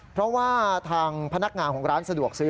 เพราะว่าทางพนักงานของร้านสะดวกซื้อ